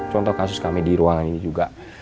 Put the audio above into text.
contoh kasus kami di ruangan ini juga